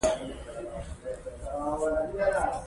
ځوانان د وینې د تویېدو سره سره مبارزه کوي.